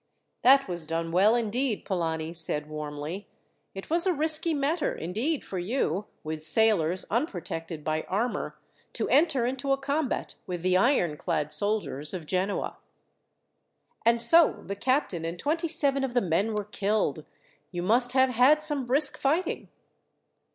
"That was done well indeed," Polani said warmly. "It was a risky matter, indeed, for you, with sailors unprotected by armour, to enter into a combat with the iron clad soldiers of Genoa. "And so the captain and twenty seven of the men were killed! You must have had some brisk fighting!"